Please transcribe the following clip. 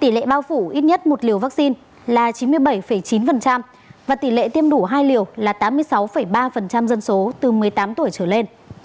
tỷ lệ bao phủ ít nhất một liều vaccine là chín mươi bảy chín và tỷ lệ tiêm đủ hai liều là tám mươi sáu ba dân số từ một mươi tám tuổi trở lên